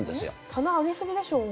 棚上げすぎでしょ。